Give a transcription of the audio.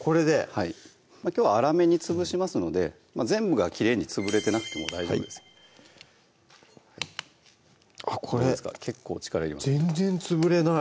はいきょうは粗めに潰しますので全部がきれいに潰れてなくても大丈夫ですあっこれ全然潰れない